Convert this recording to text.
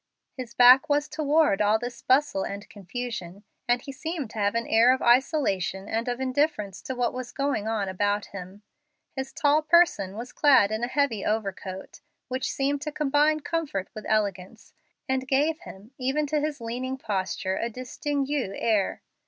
His back was toward all this bustle and confusion, and he seemed to have an air of isolation and of indifference to what was going on about him. His tall person was clad in a heavy overcoat, which seemed to combine comfort with elegance, and gave to him, even in his leaning posture, a distingue air.